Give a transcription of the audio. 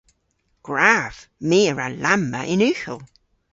Gwrav! My a wra lamma yn ughel!